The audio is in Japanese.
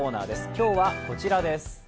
今日はこちらです。